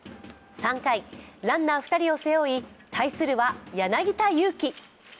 ３回、ランナー２人を背負い、対するは柳田悠岐。